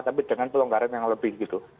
tapi dengan pelonggaran yang lebih gitu